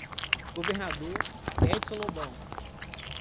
Governador Edison Lobão